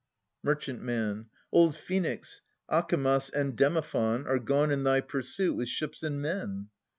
Mer. Old Phoenix, Acamas and Demophon Are gone in thy pursuit with ships and men.